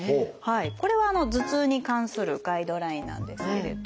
これは頭痛に関するガイドラインなんですけれども。